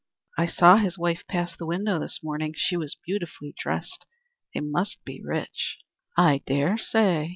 "I saw his wife pass the window this morning. She was beautifully dressed. They must be rich." "I dare say."